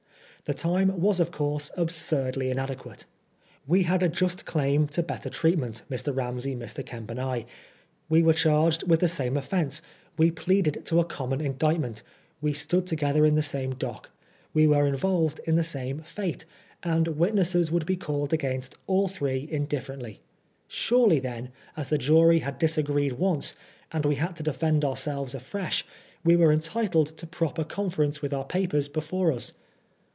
The time was of course absurdly inadequate. We had a just claim to better treatment, Mr. Ramsey, Mr. Keoip and I ; we were charged with the same ofiEence ; we pleaded to a common indictment ; we stood together in the same dock ; we were involved in the same fate ; and witnesses would be called against us all three in differently. Surely, then, as the jury had disagreed once, and we had to defend ourselves afresh, we were entitled to proper conference with our papers before ns.